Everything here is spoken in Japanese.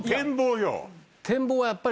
展望はやっぱり。